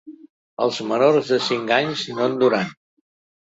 Els menors de cinc anys no en duran.